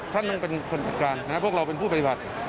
ท่านต้องเป็นคนจัดการนะครับพวกเราเป็นผู้ปฏิบัติ